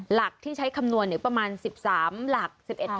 หลักที่ใช้คำนวณประมาณ๑๓หลัก๑๑